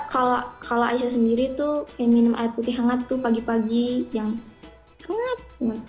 karena kalau aisyah sendiri tuh kayak minum air putih hangat tuh pagi pagi yang hangat